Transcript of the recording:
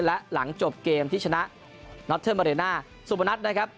และหลังจบเกมที่ชนะน็อตเทิร์นมาเรน่าสุบนัทนะครับ